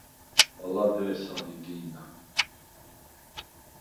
ალა დე̄სა ლი დი̄ნა.